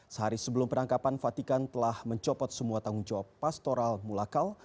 sehari sebelum penangkapan fatikan telah mencopot semua tanggung jawab pastoral mulakal